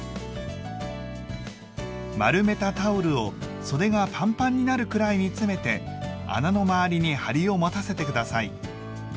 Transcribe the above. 丸めたタオルを袖がパンパンになるくらいに詰めて穴の周りにハリを持たせて下さい。